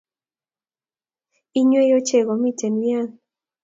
inywei ochei komiten wian